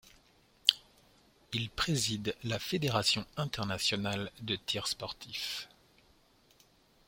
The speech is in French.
Il préside la Fédération internationale de tir sportif.